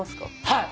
はい。